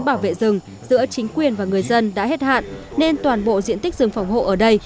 bảo vệ rừng giữa chính quyền và người dân đã hết hạn nên toàn bộ diện tích rừng phòng hộ ở đây